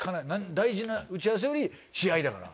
大事な打ち合わせより試合だから。